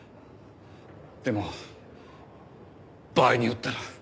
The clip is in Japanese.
でも場合によったら。